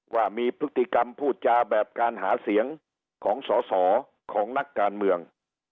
ว่ามีพฤติกรรมพูดจาแบบการหาเสียงของสอสอของนักการเมือง